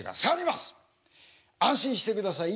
安心してください。